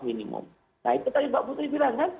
minimum nah itu tadi mbak putri bilang kan